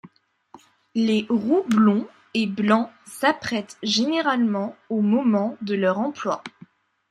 Les roux blonds et blancs s'apprêtent généralement au moment de leurs emplois.